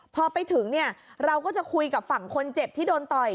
พอไปถึงเนี่ยเราก็จะคุยกับฝั่งคนเจ็บที่โดนต่อย